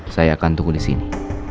saya akan tunggu di sini